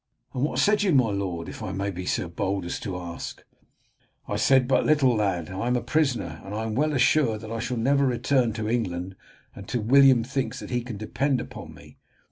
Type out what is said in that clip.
"And what said you, my lord, if I may be so bold as to ask?" "I said but little, lad. I am a prisoner, and I am well assured that I shall never return to England until William thinks that he can depend upon me.